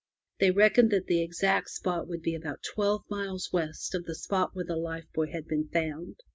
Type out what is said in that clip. They reckoned that the exact spot would be about twelve miles west of the spot where the life buoy had been found.